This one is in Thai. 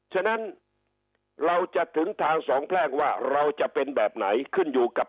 ฉะนั้นเราจะถึงทางสองแพร่งว่าเราจะเป็นแบบไหนขึ้นอยู่กับ